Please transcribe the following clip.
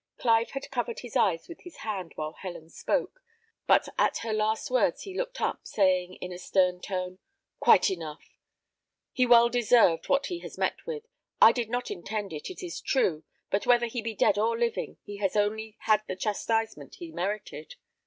Clive had covered his eyes with his hand while Helen spoke; but at her last words he looked up, saying, in a stern tone, "Quite enough! He well deserved what he has met with. I did not intend it, it is true; but whether he be dead or living, he has only had the chastisement he merited.